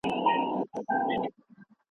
د مور دعا جنت ده.